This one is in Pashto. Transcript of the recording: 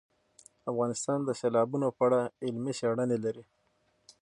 افغانستان د سیلابونه په اړه علمي څېړنې لري.